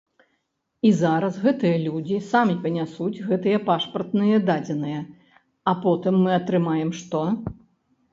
І зараз гэтыя людзі самі панясуць гэтыя пашпартныя дадзеныя, а потым мы атрымаем што?